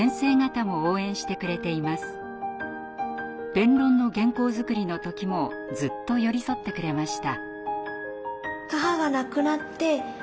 弁論の原稿作りの時もずっと寄り添ってくれました。